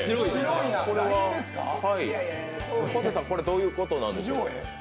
これは昴生さん、これ、どういうことなんですか？